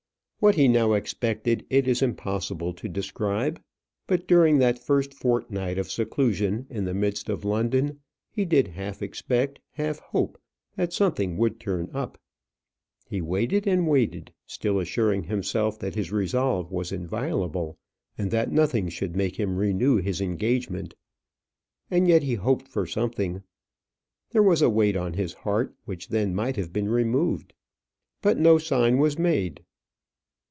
What he now expected it is impossible to describe; but during that first fortnight of seclusion in the midst of London, he did half expect, half hope that something would turn up. He waited and waited, still assuring himself that his resolve was inviolable, and that nothing should make him renew his engagement: and yet he hoped for something. There was a weight on his heart which then might have been removed. But no sign was made.